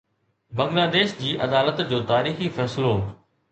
بنگلاديش جي عدالت جو تاريخي فيصلو